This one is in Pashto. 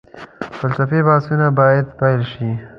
فلسفي بحثونه باید پيل شي.